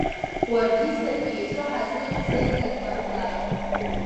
Уаргьы саргьы еицәоу ҳазнеиуеит ҳзелибамкаар…